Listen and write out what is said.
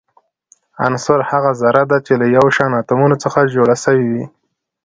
عنصر هغه ذره ده چي له يو شان اتومونو څخه جوړ سوی وي.